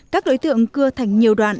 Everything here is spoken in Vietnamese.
các đối tượng cưa thành nhiều đoạn